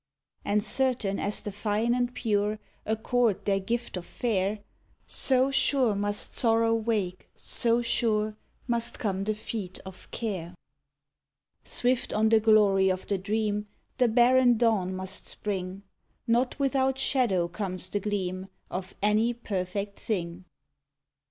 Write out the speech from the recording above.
And certain as the fine and pure Accord their gift of fair, So sure must Sorrow wake, so sure Must come the feet of Care. 116 TO MY SISTER. Swift on the glory of the dream The barren dawn must spring; Not without shadow comes the gleam Of any perfect thing.